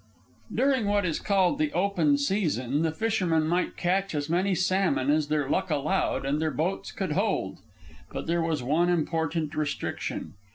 During what is called the "open season" the fishermen might catch as many salmon as their luck allowed and their boats could hold. But there was one important restriction.